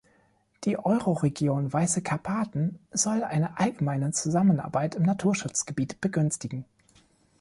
Die Euroregion Weiße Karpaten soll eine allgemeine Zusammenarbeit im Naturschutzgebiet begünstigen.